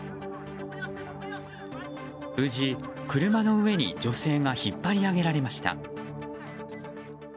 無事、車の上に女性がひっぱり上げられました。